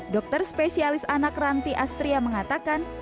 dokter spesialis anak ranti astria mengatakan